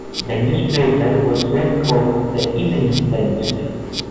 The newspaper was then called "The Evening Venture".